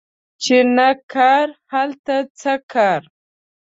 چی نه کار، هلته څه کار